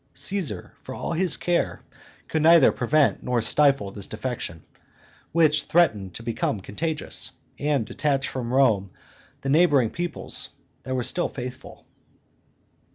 Caesar, for all his care, could neither prevent nor stifle this defection, which threatened to become contagious, and detach from Rome the neighboring peoplets that were still faithful.